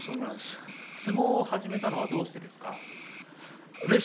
相撲を始めたのはどうしてですか？